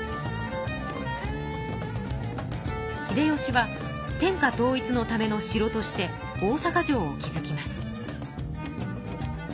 秀吉は天下統一のための城として大阪城を築きます。